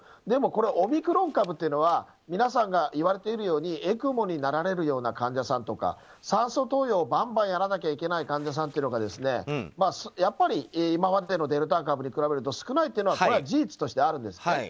でもこれオミクロン株というのは皆さんが言われているようにＥＣＭＯになられるような患者さんとか酸素投与をばんばん、やらなきゃいけない患者さんというのがやっぱり、今までのデルタ株に比べると少ないというのが事実としてあるんですね。